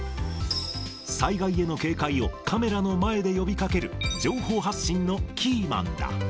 災害への警戒をカメラの前で呼びかける、情報発信のキーマンだ。